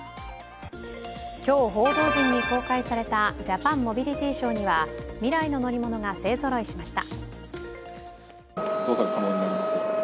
今日報道陣に公開されたジャパンモビリティショーには未来の乗り物が勢ぞろいしました。